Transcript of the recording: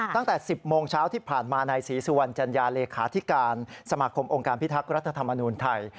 ตั้งแต่๑๐โมงเช้าที่ผ่านมานายศรีสุวรรณจัญญาเลขาธิการสมาคมองค์การพิทักษ์รัฐธรรมนูญไทย